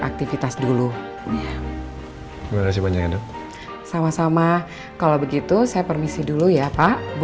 aktivitas dulu ya terima kasih banyak sama sama kalau begitu saya permisi dulu ya pak bu